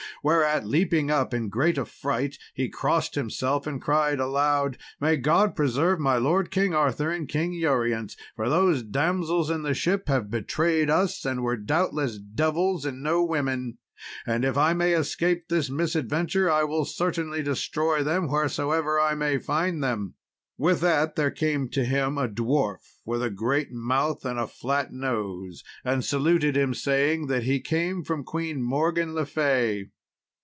Whereat, leaping up in great affright, he crossed himself and cried aloud, "May God preserve my lord King Arthur and King Urience, for those damsels in the ship have betrayed us, and were doubtless devils and no women; and if I may escape this misadventure, I will certainly destroy them wheresoever I may find them." With that there came to him a dwarf with a great mouth, and a flat nose, and saluted him, saying that he came from Queen Morgan le Fay.